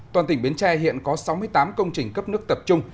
toàn tỉnh bến tre hiện có sáu mươi tám công trình cấp nước tập trung